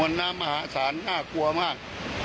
น้ำมหาศาลน่ากลัวมาก